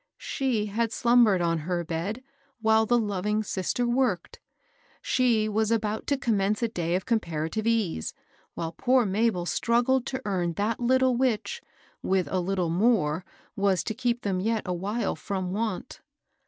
She had slumbered on her bed, while the loving sister worked ; she was about to commence a day of comparative ease, while poor Mabel struggled to earn that little which, with a little ' more, was to keep them yet a while from want.